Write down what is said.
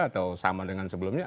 atau sama dengan sebelumnya